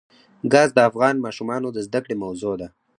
ګاز د افغان ماشومانو د زده کړې موضوع ده.